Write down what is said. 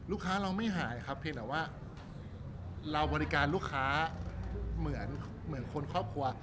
เราไม่หายครับเพียงแต่ว่าเราบริการลูกค้าเหมือนคนครอบครัว